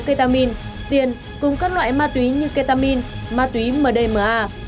ketamine tiền cùng các loại ma túy như ketamine ma túy mdma